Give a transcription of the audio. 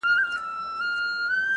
د زړگي غوښي مي د شپې خوراك وي؛